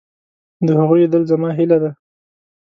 د هغوی لیدل زما هیله ده.